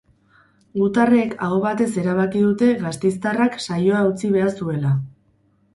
Gutarrek aho batez erabaki dute gasteiztarrak saioa utzi behar zuela.